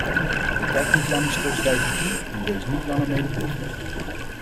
Kijk niet langer stilzwijgend toe en wees niet langer medeplichtig!